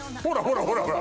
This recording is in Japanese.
ほらほら。